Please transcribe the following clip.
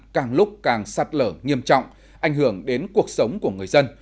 càng lúc càng sạt lở nghiêm trọng ảnh hưởng đến cuộc sống của người dân